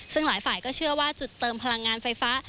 ซึ่งหลายฝ่ายก็เชื่อว่าจุดเติมพลังงานไฟฟ้า